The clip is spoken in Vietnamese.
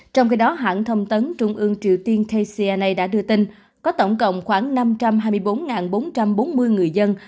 trong khi đó hãng thông tấn trung ương triều tiên kcna đã đưa tin có tổng cộng khoảng năm trăm hai mươi bốn bốn trăm bốn mươi người dân